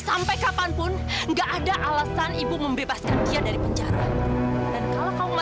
sampai jumpa di video selanjutnya